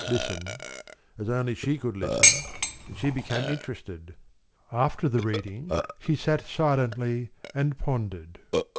] "Esselde" listened, as only she could listen, and she became interested. After the reading she sat silently and pondered.